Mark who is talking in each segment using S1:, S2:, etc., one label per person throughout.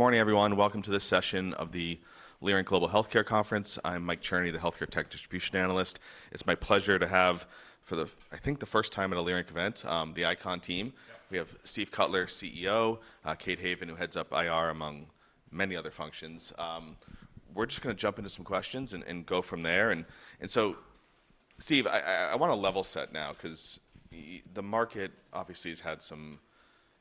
S1: Good morning, everyone. Welcome to this session of the Leerink Global Healthcare Conference. I'm Mike Cherny, the Healthcare Tech Distribution Analyst. It's my pleasure to have, for the, I think, the first time at a Leerink event, the ICON team. We have Steve Cutler, CEO, Kate Haven, who heads up IR, among many other functions. We're just going to jump into some questions and go from there. Steve, I want to level set now, because the market obviously has had some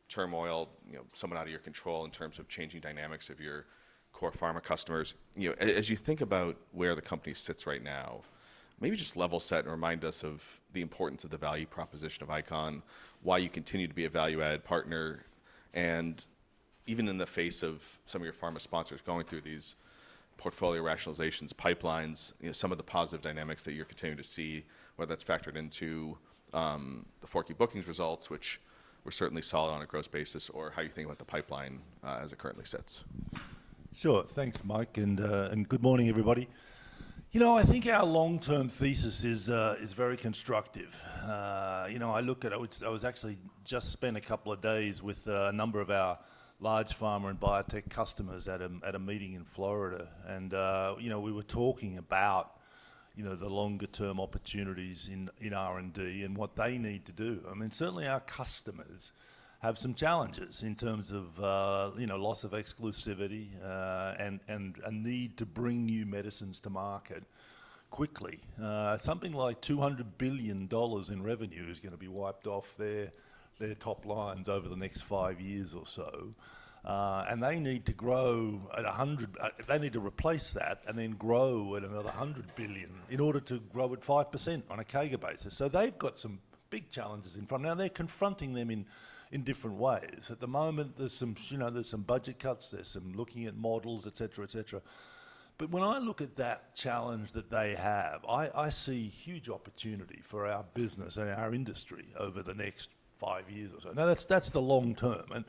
S1: turmoil, some out of your control in terms of changing dynamics of your core pharma customers. As you think about where the company sits right now, maybe just level set and remind us of the importance of the value proposition of ICON, why you continue to be a value-added partner. Even in the face of some of your pharma sponsors going through these portfolio rationalizations pipelines, some of the positive dynamics that you're continuing to see, whether that's factored into the fourth quarter bookings results, which were certainly solid on a gross basis, or how you think about the pipeline as it currently sits.
S2: Sure. Thanks, Mike. And good morning, everybody. You know, I think our long-term thesis is very constructive. I look at, I was actually just spent a couple of days with a number of our large pharma and biotech customers at a meeting in Florida. We were talking about the longer-term opportunities in R&D and what they need to do. I mean, certainly our customers have some challenges in terms of loss of exclusivity and a need to bring new medicines to market quickly. Something like $200 billion in revenue is going to be wiped off their top lines over the next five years or so. They need to grow at $100 billion. They need to replace that and then grow at another $100 billion in order to grow at 5% on a CAGR basis. They have some big challenges in front. Now, they're confronting them in different ways. At the moment, there's some budget cuts, there's some looking at models, et cetera, et cetera. When I look at that challenge that they have, I see huge opportunity for our business and our industry over the next five years or so. Now, that's the long term.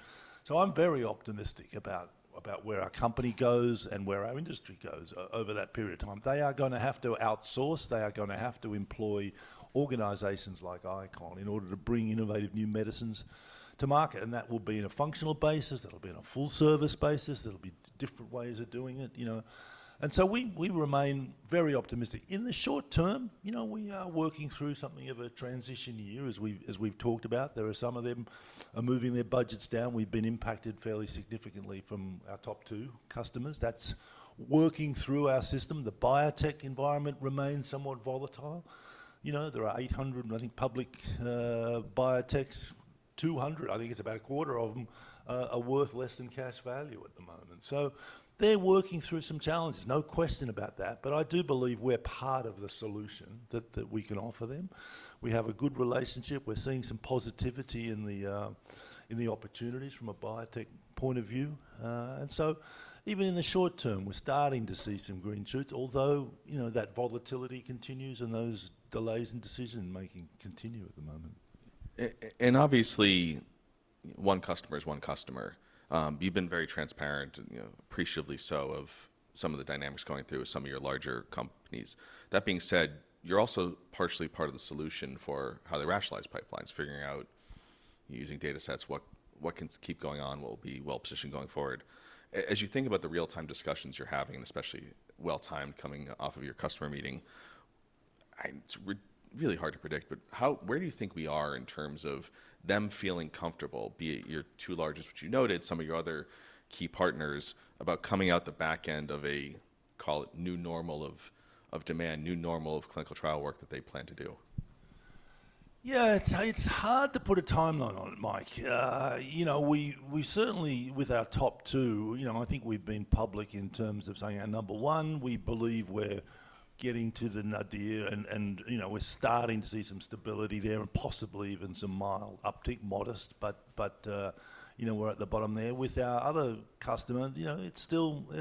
S2: I am very optimistic about where our company goes and where our industry goes over that period of time. They are going to have to outsource. They are going to have to employ organizations like ICON in order to bring innovative new medicines to market. That will be on a functional basis. That'll be on a full-service basis. There'll be different ways of doing it. We remain very optimistic. In the short term, we are working through something of a transition year, as we've talked about. There are some of them moving their budgets down. We've been impacted fairly significantly from our top two customers. That's working through our system. The biotech environment remains somewhat volatile. There are 800, I think, public biotechs. 200, I think it's about a quarter of them, are worth less than cash value at the moment. They're working through some challenges, no question about that. I do believe we're part of the solution that we can offer them. We have a good relationship. We're seeing some positivity in the opportunities from a biotech point of view. Even in the short term, we're starting to see some green shoots, although that volatility continues and those delays in decision-making continue at the moment.
S1: Obviously, one customer is one customer. You've been very transparent, appreciably so, of some of the dynamics going through some of your larger companies. That being said, you're also partially part of the solution for how they rationalize pipelines, figuring out using data sets, what can keep going on, what will be well-positioned going forward. As you think about the real-time discussions you're having, and especially well-timed coming off of your customer meeting, it's really hard to predict. Where do you think we are in terms of them feeling comfortable, be it your two largest, which you noted, some of your other key partners, about coming out the back end of a, call it, new normal of demand, new normal of clinical trial work that they plan to do?
S2: Yeah, it's hard to put a timeline on it, Mike. We certainly, with our top two, I think we've been public in terms of saying our number one, we believe we're getting to the nadir, and we're starting to see some stability there and possibly even some mild uptick, modest. We're at the bottom there with our other customer. They're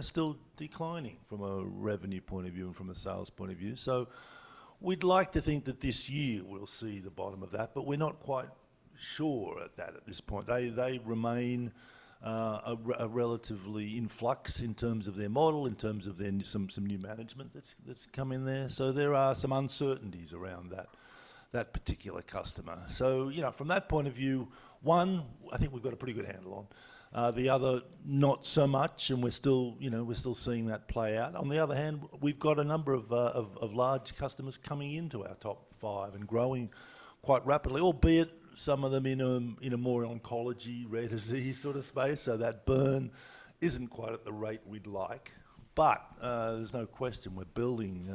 S2: still declining from a revenue point of view and from a sales point of view. We'd like to think that this year we'll see the bottom of that, but we're not quite sure at that at this point. They remain relatively in flux in terms of their model, in terms of some new management that's come in there. There are some uncertainties around that particular customer. From that point of view, one, I think we've got a pretty good handle on. The other, not so much, and we're still seeing that play out. On the other hand, we've got a number of large customers coming into our top five and growing quite rapidly, albeit some of them in a more oncology rare disease sort of space. That burn isn't quite at the rate we'd like. There is no question we're building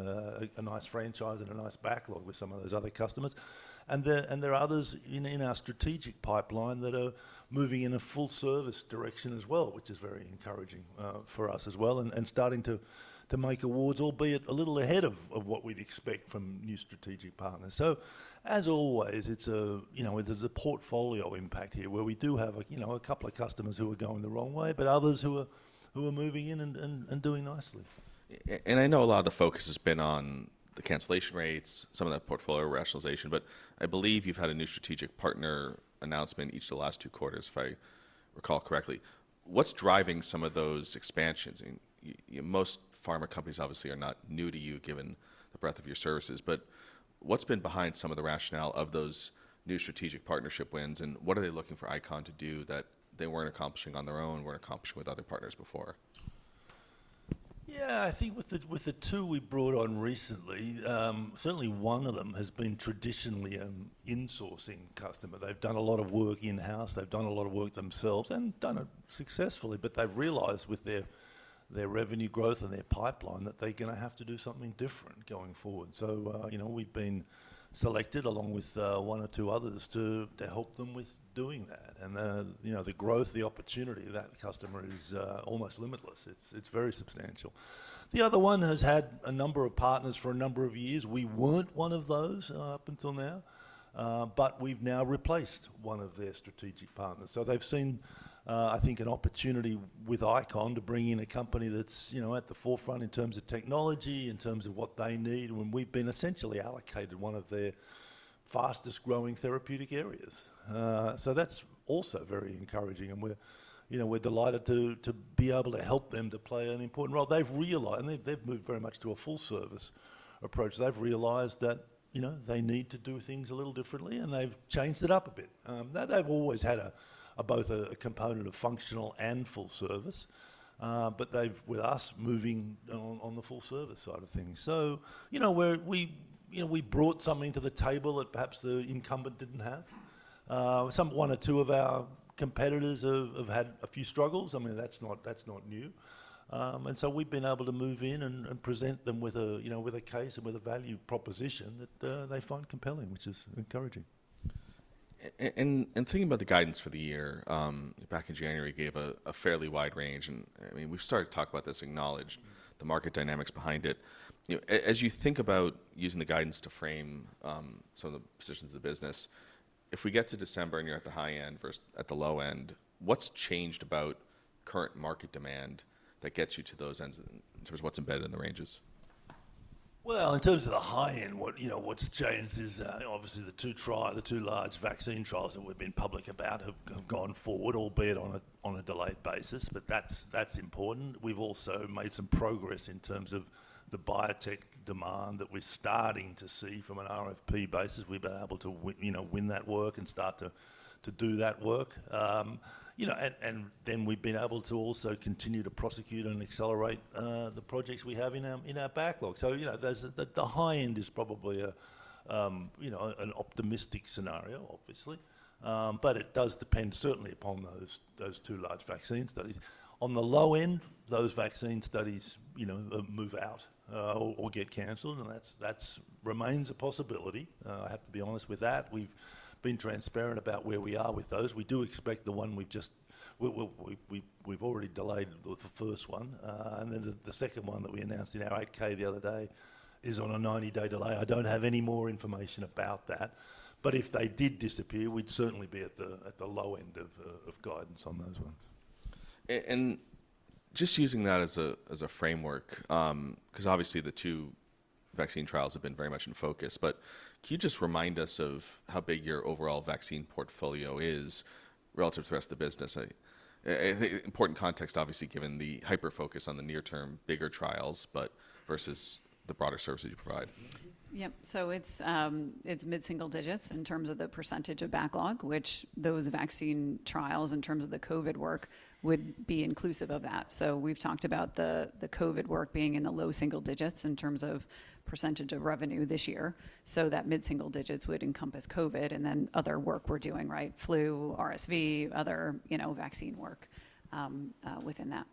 S2: a nice franchise and a nice backlog with some of those other customers. There are others in our strategic pipeline that are moving in a full-service direction as well, which is very encouraging for us as well and starting to make awards, albeit a little ahead of what we'd expect from new strategic partners. As always, there's a portfolio impact here where we do have a couple of customers who are going the wrong way, but others who are moving in and doing nicely.
S1: I know a lot of the focus has been on the cancellation rates, some of that portfolio rationalization, but I believe you've had a new strategic partner announcement each of the last two quarters, if I recall correctly. What's driving some of those expansions? Most pharma companies obviously are not new to you, given the breadth of your services, but what's been behind some of the rationale of those new strategic partnership wins? What are they looking for ICON to do that they weren't accomplishing on their own, weren't accomplishing with other partners before?
S2: Yeah, I think with the two we brought on recently, certainly one of them has been traditionally an in-sourcing customer. They've done a lot of work in-house. They've done a lot of work themselves and done it successfully. They have realized with their revenue growth and their pipeline that they're going to have to do something different going forward. We have been selected, along with one or two others, to help them with doing that. The growth, the opportunity, that customer is almost limitless. It's very substantial. The other one has had a number of partners for a number of years. We were not one of those up until now, but we have now replaced one of their strategic partners. They've seen, I think, an opportunity with ICON to bring in a company that's at the forefront in terms of technology, in terms of what they need, when we've been essentially allocated one of their fastest-growing therapeutic areas. That's also very encouraging. We're delighted to be able to help them to play an important role. They've realized, and they've moved very much to a full-service approach. They've realized that they need to do things a little differently, and they've changed it up a bit. They've always had both a component of functional and full service, but with us moving on the full-service side of things. We brought something to the table that perhaps the incumbent didn't have. One or two of our competitors have had a few struggles. I mean, that's not new. We have been able to move in and present them with a case and with a value proposition that they find compelling, which is encouraging.
S1: Thinking about the guidance for the year, back in January, you gave a fairly wide range. We've started to talk about this, acknowledge the market dynamics behind it. As you think about using the guidance to frame some of the positions of the business, if we get to December and you're at the high end versus at the low end, what's changed about current market demand that gets you to those ends in terms of what's embedded in the ranges?
S2: In terms of the high end, what's changed is obviously the two large vaccine trials that we've been public about have gone forward, albeit on a delayed basis. That is important. We've also made some progress in terms of the biotech demand that we're starting to see from an RFP basis. We've been able to win that work and start to do that work. We've been able to also continue to prosecute and accelerate the projects we have in our backlog. The high end is probably an optimistic scenario, obviously. It does depend certainly upon those two large vaccine studies. On the low end, those vaccine studies move out or get canceled. That remains a possibility. I have to be honest with that. We've been transparent about where we are with those. We do expect the one we've just, we've already delayed the first one. The second one that we announced in our 8-K the other day is on a 90-day delay. I do not have any more information about that. If they did disappear, we'd certainly be at the low end of guidance on those ones.
S1: Just using that as a framework, because obviously the two vaccine trials have been very much in focus, can you just remind us of how big your overall vaccine portfolio is relative to the rest of the business? Important context, obviously, given the hyper-focus on the near-term bigger trials versus the broader services you provide.
S3: Yep. It is mid-single digits in terms of the percentage of backlog, which those vaccine trials in terms of the COVID work would be inclusive of that. We have talked about the COVID work being in the low single digits in terms of percentage of revenue this year. That mid-single digits would encompass COVID and then other work we are doing, right? Flu, RSV, other vaccine work within that.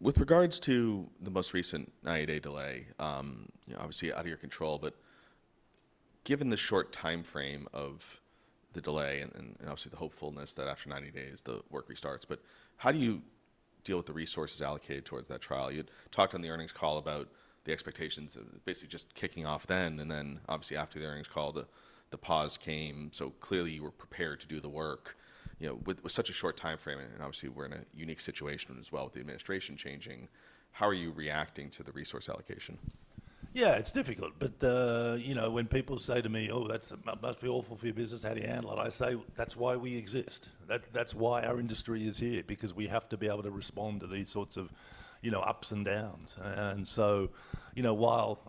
S1: With regards to the most recent 90-day delay, obviously out of your control, but given the short timeframe of the delay and obviously the hopefulness that after 90 days, the work restarts, how do you deal with the resources allocated towards that trial? You talked on the earnings call about the expectations of basically just kicking off then. Obviously after the earnings call, the pause came. Clearly you were prepared to do the work with such a short timeframe. Obviously we're in a unique situation as well with the administration changing. How are you reacting to the resource allocation?
S2: Yeah, it's difficult. When people say to me, "Oh, that must be awful for your business. How do you handle it?" I say, "That's why we exist. That's why our industry is here, because we have to be able to respond to these sorts of ups and downs." While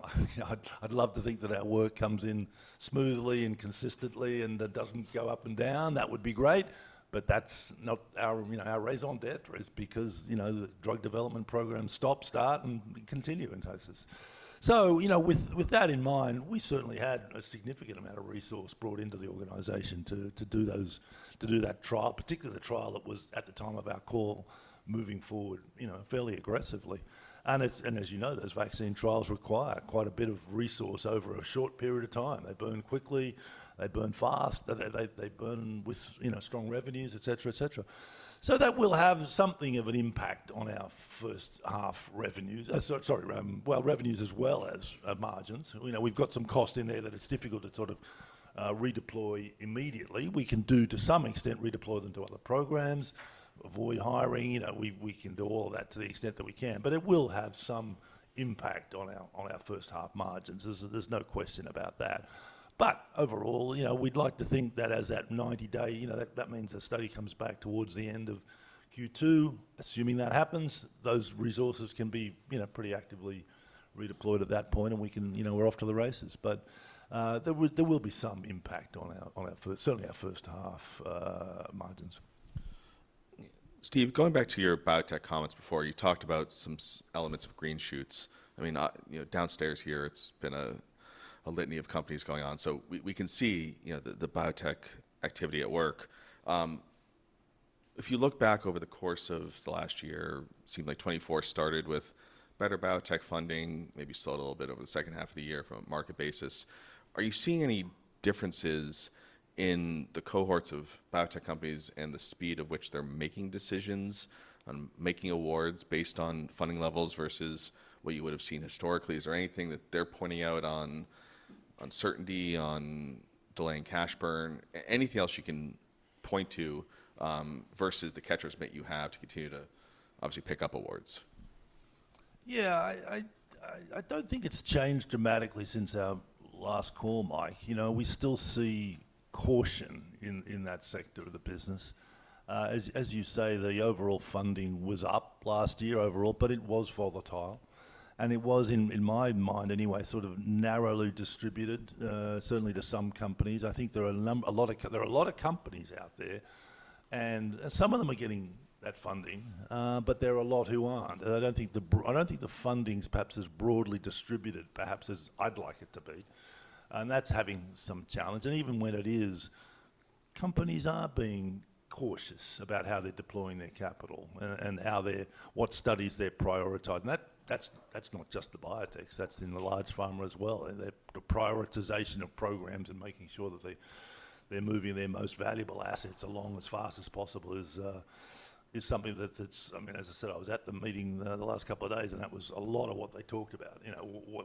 S2: I'd love to think that our work comes in smoothly and consistently and doesn't go up and down, that would be great. That's not our raison d'être, is because the drug development program stopped, start, and continue in Texas. With that in mind, we certainly had a significant amount of resource brought into the organization to do that trial, particularly the trial that was at the time of our call moving forward fairly aggressively. As you know, those vaccine trials require quite a bit of resource over a short period of time. They burn quickly. They burn fast. They burn with strong revenues, et cetera, et cetera. That will have something of an impact on our first half revenues, revenues as well as margins. We've got some cost in there that it's difficult to sort of redeploy immediately. We can do, to some extent, redeploy them to other programs, avoid hiring. We can do all of that to the extent that we can. It will have some impact on our first half margins. There's no question about that. Overall, we'd like to think that as that 90-day, that means the study comes back towards the end of Q2. Assuming that happens, those resources can be pretty actively redeployed at that point, and we're off to the races. There will be some impact on certainly our first half margins.
S1: Steve, going back to your biotech comments before, you talked about some elements of green shoots. I mean, downstairs here, it's been a litany of companies going on. You can see the biotech activity at work. If you look back over the course of the last year, it seemed like 2024 started with better biotech funding, maybe slowed a little bit over the second half of the year from a market basis. Are you seeing any differences in the cohorts of biotech companies and the speed of which they're making decisions on making awards based on funding levels versus what you would have seen historically? Is there anything that they're pointing out on uncertainty, on delaying cash burn? Anything else you can point to versus the catchers' mitt you have to continue to obviously pick up awards?
S2: Yeah, I don't think it's changed dramatically since our last call, Mike. We still see caution in that sector of the business. As you say, the overall funding was up last year overall, but it was volatile. It was, in my mind anyway, sort of narrowly distributed, certainly to some companies. I think there are a lot of companies out there, and some of them are getting that funding, but there are a lot who aren't. I don't think the funding's perhaps as broadly distributed perhaps as I'd like it to be. That's having some challenge. Even when it is, companies are being cautious about how they're deploying their capital and what studies they're prioritizing. That's not just the biotech. That's in the large pharma as well. The prioritization of programs and making sure that they're moving their most valuable assets along as fast as possible is something that, I mean, as I said, I was at the meeting the last couple of days, and that was a lot of what they talked about,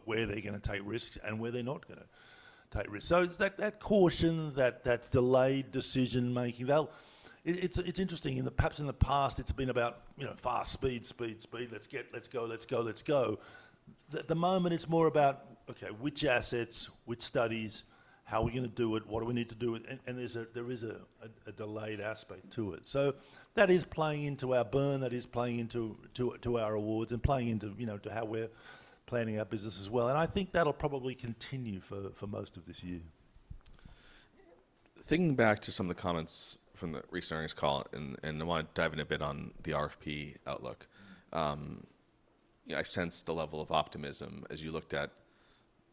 S2: where they're going to take risks and where they're not going to take risks. That caution, that delayed decision-making, it's interesting in that perhaps in the past, it's been about fast, speed, speed, speed, let's go, let's go, let's go. At the moment, it's more about, okay, which assets, which studies, how are we going to do it, what do we need to do with it? There is a delayed aspect to it. That is playing into our burn. That is playing into our awards and playing into how we're planning our business as well. I think that'll probably continue for most of this year.
S1: Thinking back to some of the comments from the recent earnings call, and I want to dive in a bit on the RFP outlook. I sense the level of optimism as you looked at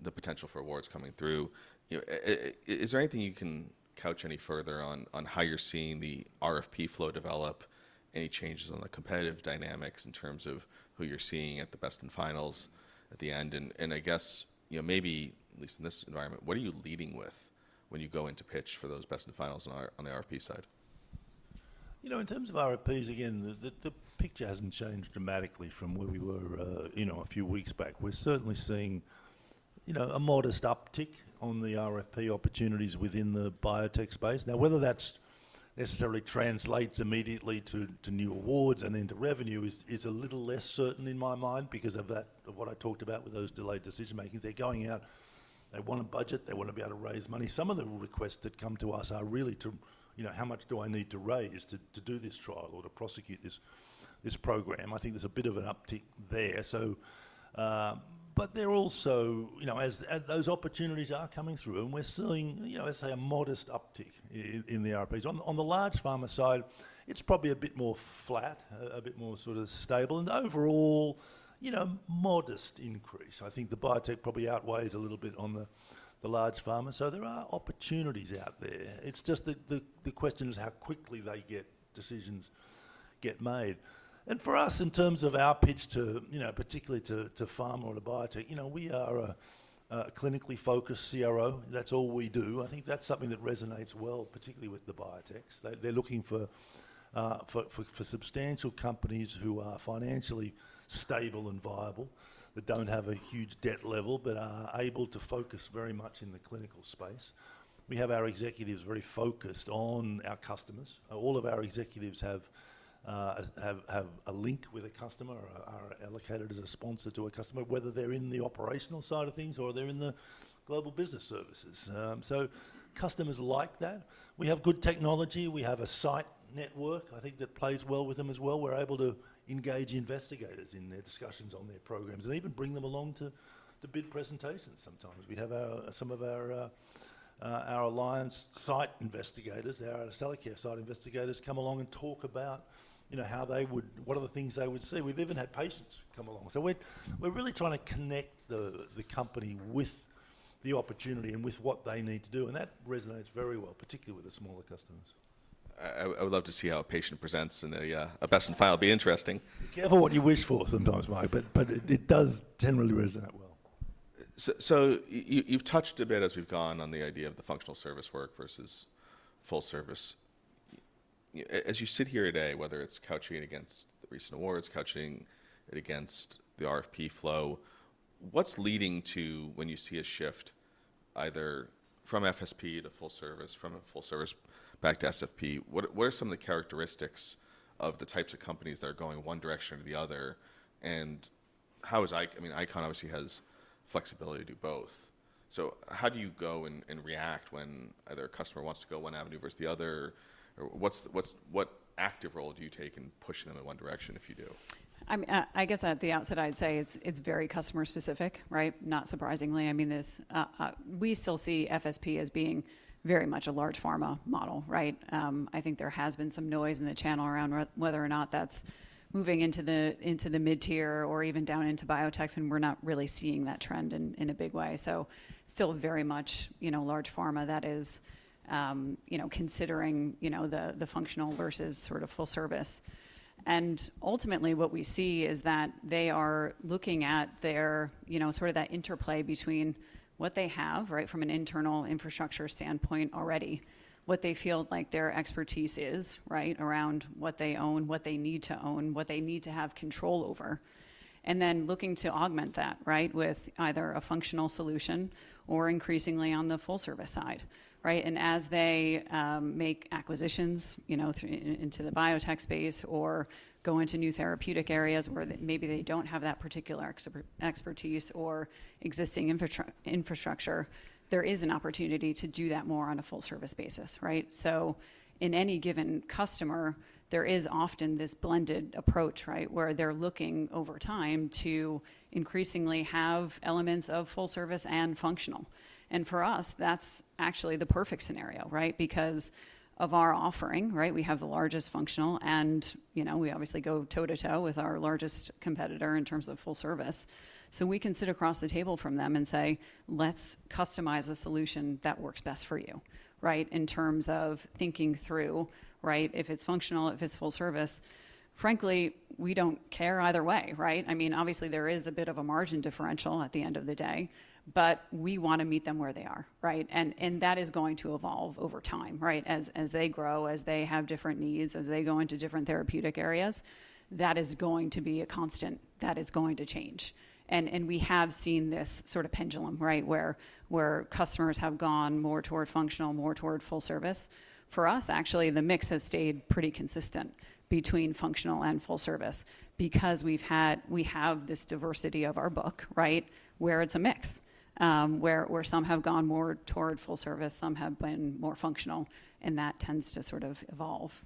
S1: the potential for awards coming through. Is there anything you can couch any further on how you're seeing the RFP flow develop, any changes on the competitive dynamics in terms of who you're seeing at the best and finals at the end? I guess maybe, at least in this environment, what are you leading with when you go into pitch for those best in finals on the RFP side?
S2: In terms of RFPs, again, the picture has not changed dramatically from where we were a few weeks back. We are certainly seeing a modest uptick on the RFP opportunities within the biotech space. Now, whether that necessarily translates immediately to new awards and into revenue is a little less certain in my mind because of what I talked about with those delayed decision-making. They are going out. They want a budget. They want to be able to raise money. Some of the requests that come to us are really to, how much do I need to raise to do this trial or to prosecute this program? I think there is a bit of an uptick there. They are also, as those opportunities are coming through, and we are seeing, let us say, a modest uptick in the RFPs. On the large pharma side, it's probably a bit more flat, a bit more sort of stable, and overall, modest increase. I think the biotech probably outweighs a little bit on the large pharma. There are opportunities out there. The question is how quickly they get decisions get made. For us, in terms of our pitch, particularly to pharma or to biotech, we are a clinically focused CRO. That's all we do. I think that's something that resonates well, particularly with the biotechs. They're looking for substantial companies who are financially stable and viable, that don't have a huge debt level, but are able to focus very much in the clinical space. We have our executives very focused on our customers. All of our executives have a link with a customer or are allocated as a sponsor to a customer, whether they're in the operational side of things or they're in the Global Business Services. Customers like that. We have good technology. We have a site network, I think, that plays well with them as well. We're able to engage investigators in their discussions on their programs and even bring them along to bid presentations sometimes. We have some of our Alliance site investigators, our Accellacare site investigators come along and talk about how they would, what are the things they would see. We've even had patients come along. We're really trying to connect the company with the opportunity and with what they need to do. That resonates very well, particularly with the smaller customers.
S1: I would love to see how a patient presents in a best in final. It'd be interesting.
S2: Be careful what you wish for sometimes, Mike, but it does generally resonate well.
S1: You've touched a bit as we've gone on the idea of the functional service work versus full service. As you sit here today, whether it's couching it against the recent awards, couching it against the RFP flow, what's leading to when you see a shift either from FSP to full service, from full service back to FSP? What are some of the characteristics of the types of companies that are going one direction or the other? How is, I mean, ICON obviously has flexibility to do both. How do you go and react when either a customer wants to go one avenue versus the other? What active role do you take in pushing them in one direction if you do?
S3: I guess at the outset, I'd say it's very customer specific, right? Not surprisingly. I mean, we still see FSP as being very much a large pharma model, right? I think there has been some noise in the channel around whether or not that's moving into the mid-tier or even down into biotechs, and we're not really seeing that trend in a big way. It is still very much large pharma that is considering the functional versus sort of full service. Ultimately, what we see is that they are looking at their sort of that interplay between what they have, right, from an internal infrastructure standpoint already, what they feel like their expertise is, right, around what they own, what they need to own, what they need to have control over, and then looking to augment that, right, with either a functional solution or increasingly on the full service side, right? As they make acquisitions into the biotech space or go into new therapeutic areas where maybe they do not have that particular expertise or existing infrastructure, there is an opportunity to do that more on a full service basis, right? In any given customer, there is often this blended approach, right, where they are looking over time to increasingly have elements of full service and functional. For us, that's actually the perfect scenario, right, because of our offering, right? We have the largest functional, and we obviously go toe to toe with our largest competitor in terms of full service. We can sit across the table from them and say, "Let's customize a solution that works best for you," right, in terms of thinking through, right, if it's functional, if it's full service. Frankly, we don't care either way, right? I mean, obviously, there is a bit of a margin differential at the end of the day, but we want to meet them where they are, right? That is going to evolve over time, right? As they grow, as they have different needs, as they go into different therapeutic areas, that is going to be a constant, that is going to change. We have seen this sort of pendulum, right, where customers have gone more toward functional, more toward full service. For us, actually, the mix has stayed pretty consistent between functional and full service because we have this diversity of our book, right, where it's a mix, where some have gone more toward full service, some have been more functional, and that tends to sort of evolve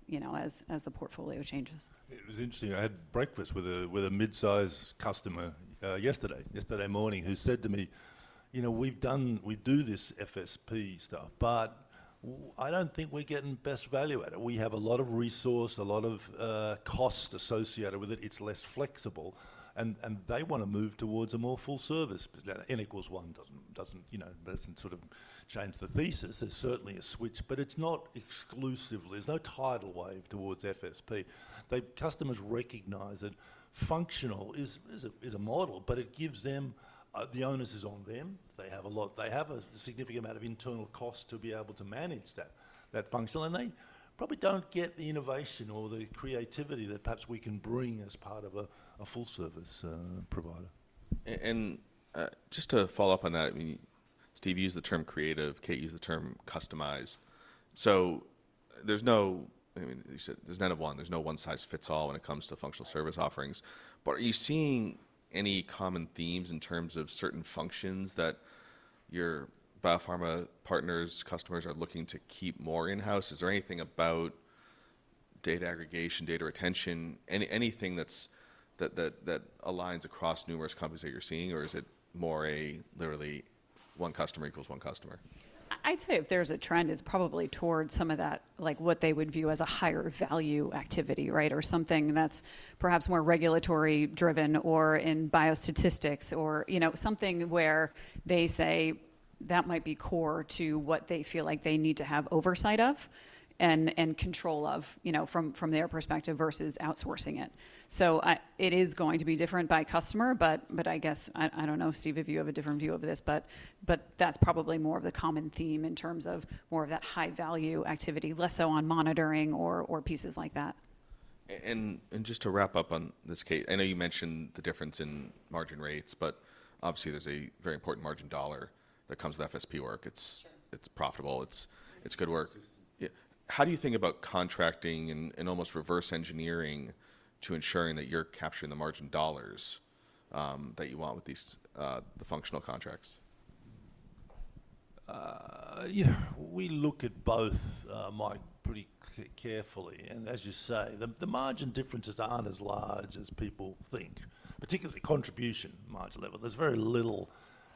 S3: as the portfolio changes.
S2: It was interesting. I had breakfast with a mid-size customer yesterday, yesterday morning, who said to me, "We do this FSP stuff, but I don't think we're getting best value at it. We have a lot of resource, a lot of cost associated with it. It's less flexible." They want to move towards a more full service. N equals one doesn't sort of change the thesis. There's certainly a switch, but it's not exclusively. There's no tidal wave towards FSP. Customers recognize that functional is a model, but it gives them the onus is on them. They have a significant amount of internal cost to be able to manage that functional. They probably don't get the innovation or the creativity that perhaps we can bring as part of a full service provider.
S1: Just to follow up on that, Steve, you used the term creative. Kate used the term customize. There's no, I mean, you said there's none of one. There's no one size fits all when it comes to functional service offerings. Are you seeing any common themes in terms of certain functions that your biopharma partners, customers are looking to keep more in-house? Is there anything about data aggregation, data retention, anything that aligns across numerous companies that you're seeing, or is it more a literally one customer equals one customer?
S3: I'd say if there's a trend, it's probably towards some of that, like what they would view as a higher value activity, right, or something that's perhaps more regulatory driven or in biostatistics or something where they say that might be core to what they feel like they need to have oversight of and control of from their perspective versus outsourcing it. It is going to be different by customer, but I guess, I don't know, Steve, if you have a different view of this, but that's probably more of the common theme in terms of more of that high value activity, less so on monitoring or pieces like that.
S1: Just to wrap up on this, Kate, I know you mentioned the difference in margin rates, but obviously there's a very important margin dollar that comes with FSP work. It's profitable. It's good work. How do you think about contracting and almost reverse engineering to ensuring that you're capturing the margin dollars that you want with the functional contracts?
S2: Yeah, we look at both, Mike, pretty carefully. As you say, the margin differences aren't as large as people think, particularly contribution margin level. There's very little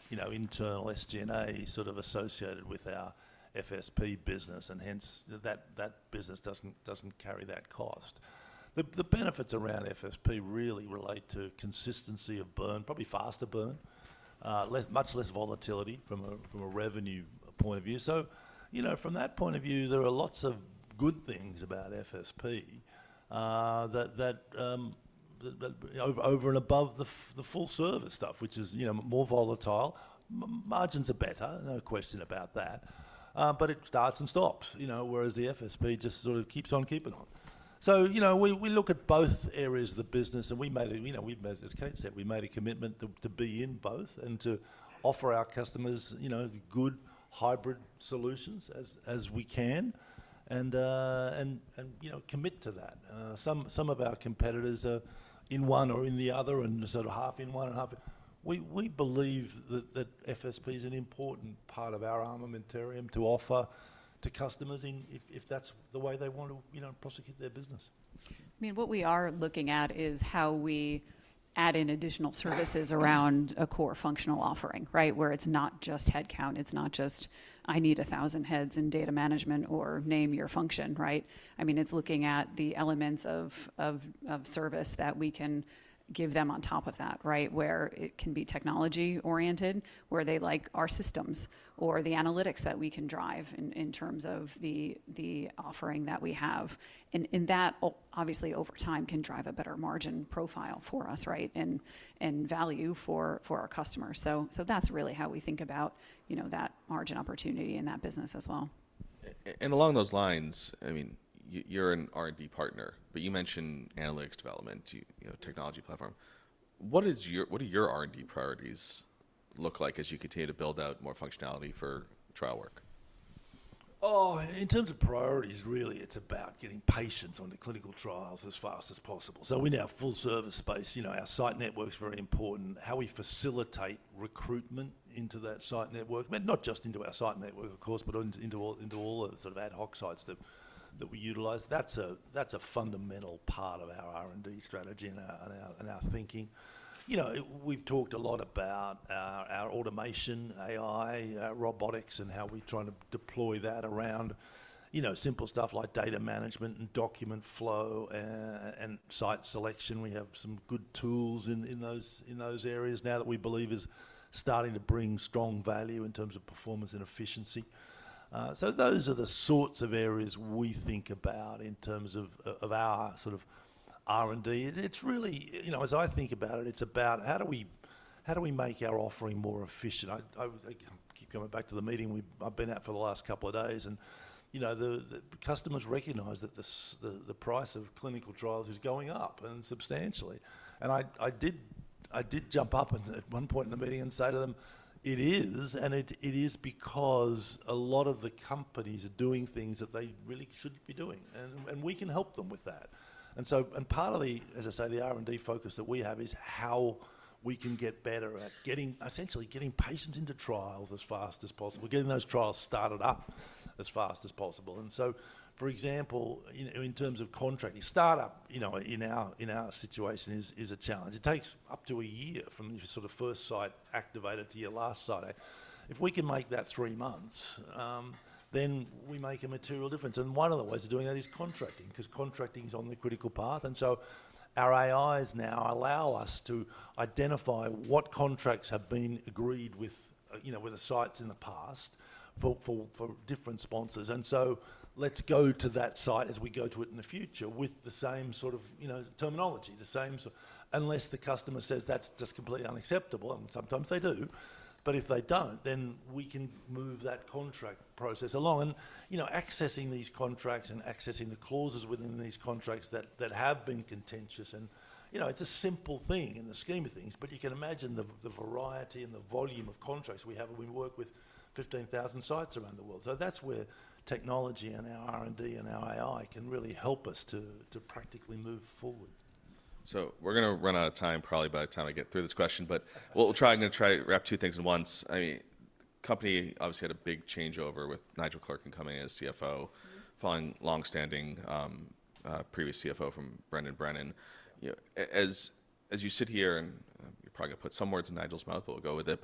S2: internal SG&A sort of associated with our FSP business, and hence that business doesn't carry that cost. The benefits around FSP really relate to consistency of burn, probably faster burn, much less volatility from a revenue point of view. From that point of view, there are lots of good things about FSP over and above the full service stuff, which is more volatile. Margins are better. No question about that. It starts and stops, whereas the FSP just sort of keeps on keeping on. We look at both areas of the business, and we made a, as Kate said, we made a commitment to be in both and to offer our customers good hybrid solutions as we can and commit to that. Some of our competitors are in one or in the other and sort of half in one and half in. We believe that FSP is an important part of our armamentarium to offer to customers if that's the way they want to prosecute their business.
S3: I mean, what we are looking at is how we add in additional services around a core functional offering, right, where it's not just headcount. It's not just, "I need 1,000 heads in data management or name your function," right? I mean, it's looking at the elements of service that we can give them on top of that, right, where it can be technology oriented, where they like our systems or the analytics that we can drive in terms of the offering that we have. That, obviously, over time can drive a better margin profile for us, right, and value for our customers. That's really how we think about that margin opportunity in that business as well.
S1: Along those lines, I mean, you're an R&D partner, but you mentioned analytics development, technology platform. What do your R&D priorities look like as you continue to build out more functionality for trial work?
S2: Oh, in terms of priorities, really, it's about getting patients onto clinical trials as fast as possible. In our full service space, our site network is very important. How we facilitate recruitment into that site network, not just into our site network, of course, but into all the sort of ad hoc sites that we utilize, that's a fundamental part of our R&D strategy and our thinking. We've talked a lot about our automation, AI, robotics, and how we're trying to deploy that around simple stuff like data management and document flow and site selection. We have some good tools in those areas now that we believe are starting to bring strong value in terms of performance and efficiency. Those are the sorts of areas we think about in terms of our sort of R&D. It's really, as I think about it, it's about how do we make our offering more efficient? I keep coming back to the meeting. I've been out for the last couple of days, and the customers recognize that the price of clinical trials is going up and substantially. I did jump up at one point in the meeting and say to them, "It is, and it is because a lot of the companies are doing things that they really shouldn't be doing, and we can help them with that." Part of the, as I say, the R&D focus that we have is how we can get better at essentially getting patients into trials as fast as possible, getting those trials started up as fast as possible. For example, in terms of contracting, startup in our situation is a challenge. It takes up to a year from your sort of first site activated to your last site. If we can make that three months, then we make a material difference. One of the ways of doing that is contracting because contracting is on the critical path. Our AIs now allow us to identify what contracts have been agreed with the sites in the past for different sponsors. Let's go to that site as we go to it in the future with the same sort of terminology, the same sort of, unless the customer says that's just completely unacceptable, and sometimes they do. If they do not, then we can move that contract process along. Accessing these contracts and accessing the clauses within these contracts that have been contentious, and it's a simple thing in the scheme of things, but you can imagine the variety and the volume of contracts we have. We work with 15,000 sites around the world. That is where technology and our R&D and our AI can really help us to practically move forward.
S1: We're going to run out of time probably by the time I get through this question, but we'll try and wrap two things in one. I mean, the company obviously had a big changeover with Nigel Clerkin coming in as CFO, following longstanding previous CFO from Brendan Brennan. As you sit here, and you're probably going to put some words in Nigel's mouth, but we'll go with it,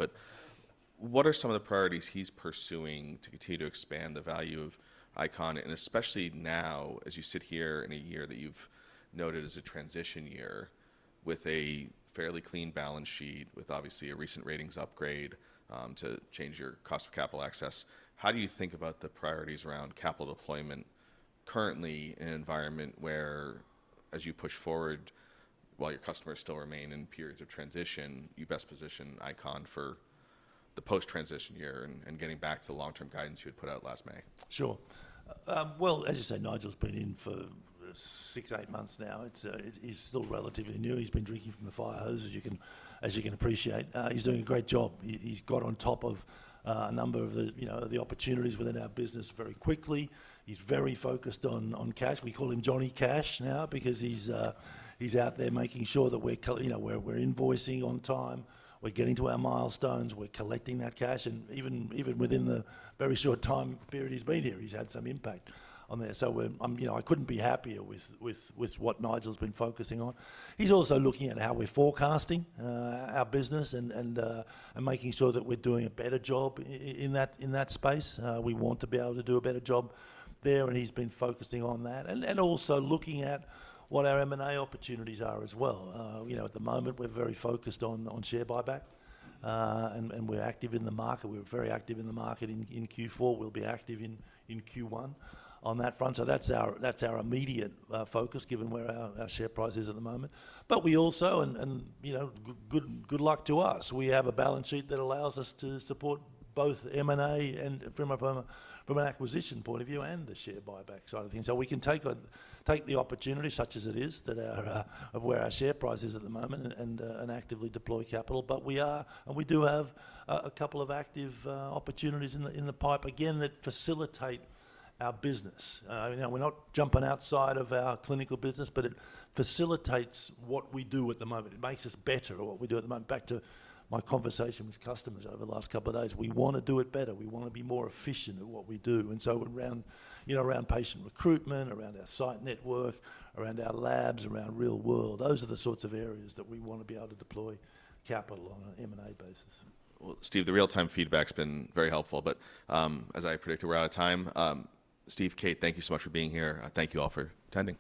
S1: but what are some of the priorities he's pursuing to continue to expand the value of ICON, and especially now as you sit here in a year that you've noted as a transition year with a fairly clean balance sheet, with obviously a recent ratings upgrade to change your cost of capital access? How do you think about the priorities around capital deployment currently in an environment where, as you push forward, while your customers still remain in periods of transition, you best position ICON for the post-transition year and getting back to the long-term guidance you had put out last May?
S2: Sure. As you say, Nigel's been in for six, eight months now. He's still relatively new. He's been drinking from the fire hose, as you can appreciate. He's doing a great job. He's got on top of a number of the opportunities within our business very quickly. He's very focused on cash. We call him Johnny Cash now because he's out there making sure that we're invoicing on time, we're getting to our milestones, we're collecting that cash. Even within the very short time period he's been here, he's had some impact on there. I couldn't be happier with what Nigel's been focusing on. He's also looking at how we're forecasting our business and making sure that we're doing a better job in that space. We want to be able to do a better job there, and he's been focusing on that. Also looking at what our M&A opportunities are as well. At the moment, we're very focused on share buyback, and we're active in the market. We're very active in the market in Q4. We'll be active in Q1 on that front. That is our immediate focus given where our share price is at the moment. We also, and good luck to us, have a balance sheet that allows us to support both M&A from an acquisition point of view and the share buyback side of things. We can take the opportunity such as it is of where our share price is at the moment and actively deploy capital. We do have a couple of active opportunities in the pipe, again, that facilitate our business. We're not jumping outside of our clinical business, but it facilitates what we do at the moment. It makes us better at what we do at the moment. Back to my conversation with customers over the last couple of days, we want to do it better. We want to be more efficient at what we do. Around patient recruitment, around our site network, around our labs, around real world, those are the sorts of areas that we want to be able to deploy capital on an M&A basis.
S1: Steve, the real-time feedback's been very helpful, but as I predict, we're out of time. Steve, Kate, thank you so much for being here. Thank you all for attending.